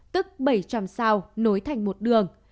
tức bảy trăm linh sao nối thành một đường